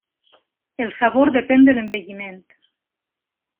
El sabor depèn de l'envelliment.